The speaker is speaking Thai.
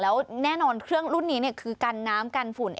แล้วแน่นอนเครื่องรุ่นนี้คือกันน้ำกันฝุ่น